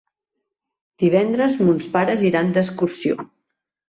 Divendres mons pares iran d'excursió.